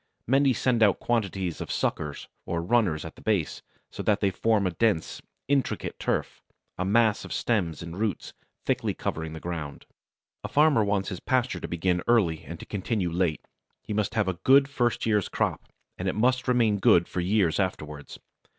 Many send out quantities of suckers or runners at the base, so that they form a dense, intricate turf a mass of stems and roots thickly covering the ground. A farmer wants his pasture to begin early and to continue late; he must have a good first year's crop, and it must remain good for years afterwards.